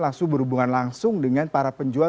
langsung berhubungan langsung dengan para penjual